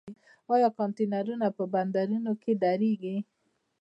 آیا کانټینرونه په بندرونو کې دریږي؟